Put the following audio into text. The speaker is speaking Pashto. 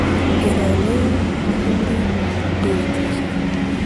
ایرانۍ توري ډیري تیزي دي.